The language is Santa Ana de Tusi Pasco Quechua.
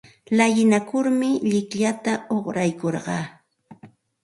Llalinakurmi llikllata uqraykurqaa.